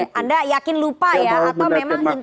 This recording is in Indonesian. oke anda yakin lupa ya atau memang intensinya sejak awal tidak